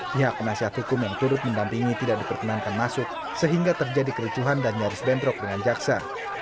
pihak penasihat hukum yang turut mendampingi tidak diperkenankan masuk sehingga terjadi kericuhan dan nyaris bentrok dengan jaksa